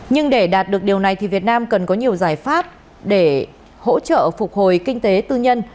nhưng để đạt được điều này thì việt nam cần có nhiều giải pháp để hỗ trợ phục hồi kinh tế tư nhân